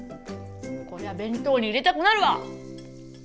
こりゃ弁当に入れたくなるわ！